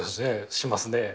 しますね。